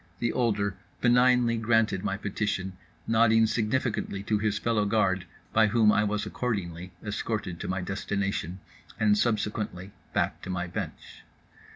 The older benignly granted my petition, nodding significantly to his fellow guard, by whom I was accordingly escorted to my destination and subsequently back to my bench.